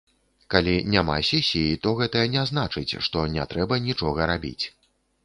Калі няма сесіі, то гэта не значыць, што не трэба нічога рабіць.